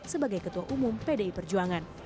sebagai ketua umum pdi perjuangan